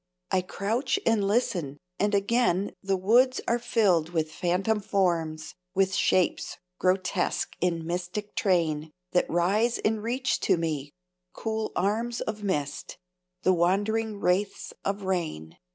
I crouch and listen; and again The woods are filled with phantom forms With shapes, grotesque in mystic train, That rise and reach to me cool arms Of mist; the wandering wraiths of rain.